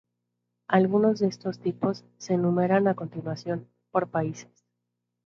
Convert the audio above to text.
Algunos de estos tipos se enumeran a continuación, por países.